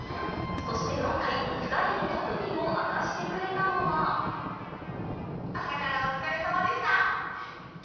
そして今回、２人の特技を明かし朝からお疲れさまでした！